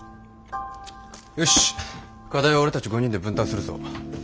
よし課題は俺たち５人で分担するぞ。